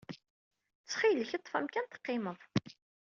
Ttxil-k, ḍḍef amkan teqqimeḍ!